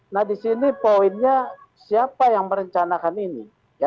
nah disini poinnya siapa yang merencanakan ini